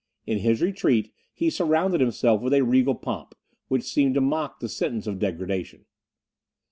In his retreat, he surrounded himself with a regal pomp, which seemed to mock the sentence of degradation.